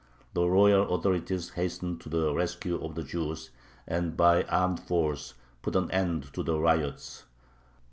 The royal authorities hastened to the rescue of the Jews, and by armed force put an end to the riots.